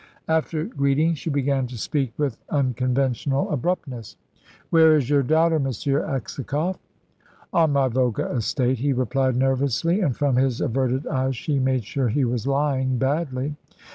After greeting, she began to speak with unconventional abruptness. "Where is your daughter, M. Aksakoff?" "On my Volga estate," he replied nervously; and from his averted eyes she made sure he was lying badly.